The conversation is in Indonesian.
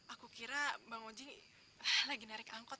aku kira bang ojeng lagi narik angkot